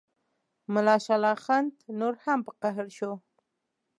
ملا شال اخند نور هم په قهر شو.